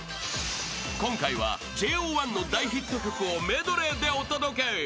［今回はＪＯ１の大ヒット曲をメドレーでお届け］